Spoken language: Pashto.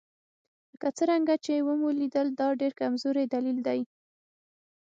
لکه څرنګه چې ومو لیدل دا ډېر کمزوری دلیل دی.